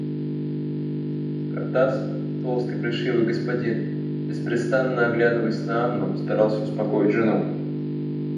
Картасов, толстый, плешивый господин, беспрестанно оглядываясь на Анну, старался успокоить жену.